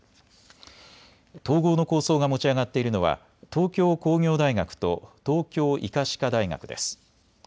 統合の構想が持ち上がっているのは東京工業大学と東京医科歯科大学です。